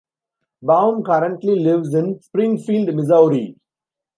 Baum currently lives in Springfield, Missouri.